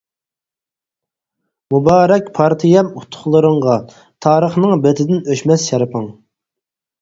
مۇبارەك پارتىيەم ئۇتۇقلىرىڭغا، تارىخنىڭ بېتىدىن ئۆچمەس شەرىپىڭ.